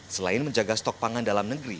selain menjaga stok pangan dalam negeri